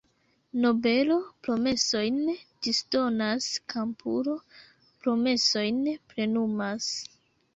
Nobelo promesojn disdonas, kampulo promesojn plenumas.